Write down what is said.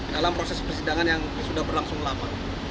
dalam proses persidangan yang sudah berlangsung lama